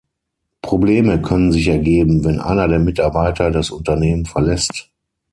Probleme können sich ergeben, wenn einer der Mitarbeiter das Unternehmen verlässt.